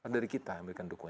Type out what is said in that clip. dari kita yang diberikan dukungan